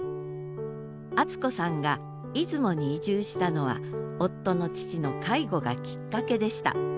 あつ子さんが出雲に移住したのは夫の父の介護がきっかけでした。